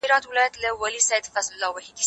کېدای سي لیکل ستونزي ولري